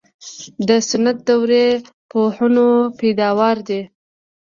د سنت دورې پوهنو پیداوار دي.